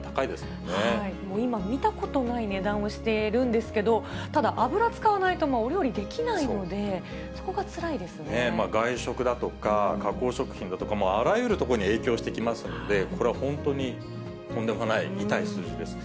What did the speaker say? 今、見たことない値段をしてるんですけど、ただ、油使わないと、お料理できないので、そこが外食だとか、加工食品だとかも、あらゆるところに影響してきますんで、これは本当に、とんでもない痛い数字です。